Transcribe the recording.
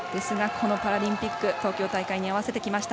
このパラリンピック東京大会に合わせてきました。